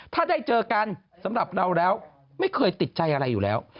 ถ้าได้เจอกันสำหรับเราแล้วไม่เคยติดใจอะไรอยู่แล้ว